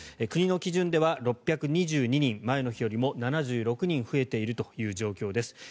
国の基準では６２２人前の日よりも７６人増えているという状況です。